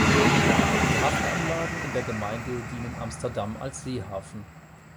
Die Hafenanlagen in der Gemeinde dienen Amsterdam als Seehafen.